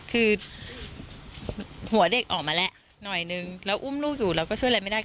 คือหัวเด็กออกมาแล้วหน่อยนึงแล้วอุ้มลูกอยู่เราก็ช่วยอะไรไม่ได้